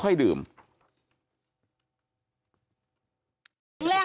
กินใหม่ด้วย